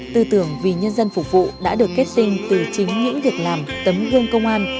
tư tưởng vì nhân dân phục vụ đã được kết tinh từ chính những việc làm tấm gương công an